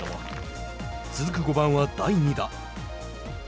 続く５番は、第２打。